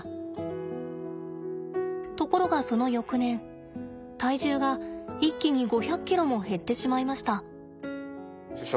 ところがその翌年体重が一気に５００ｋｇも減ってしまいました。